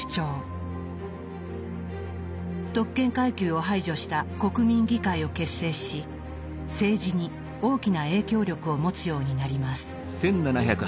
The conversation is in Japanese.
特権階級を排除した国民議会を結成し政治に大きな影響力を持つようになります。